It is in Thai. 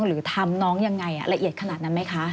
หรือทำน้องยังไงละเอียดขนาดนั้นไหมคะ